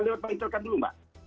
lewat ba intelcam dulu mbak